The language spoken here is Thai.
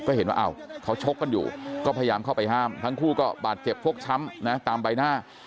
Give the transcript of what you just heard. ก็เห็นว่าเขาชกกันอยู่ก็พยายามเข้าไปห้ามทั้งคู่ก็บาดเจ็บฟกช้ำนะตามใบหน้า